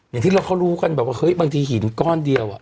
อย่างที่เราก็รู้กันแบบว่าเฮ้ยบางทีหินก้อนเดียวอ่ะ